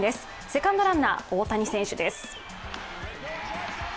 セカンドランナー、大谷選手です。